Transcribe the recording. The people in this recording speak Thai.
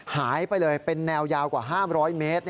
หายไปเลยเป็นแนวยาวกว่า๕๐๐เมตร